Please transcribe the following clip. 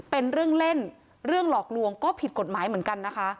เป็นเรื่องเล่นเรื่องหลอกลวงก็ผิดกฎหมายเหมือนกันนะคะ